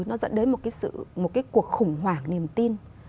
nó dẫn đến một cuộc khủng hoảng niềm tin